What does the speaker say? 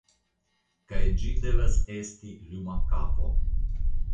Kaj ĝi devas esti luma kapo.